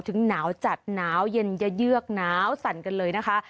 ถึงหนาวจัดหนาวเย็นเยือกซะละสั่นก็เลยนะคะ